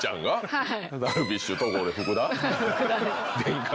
はい。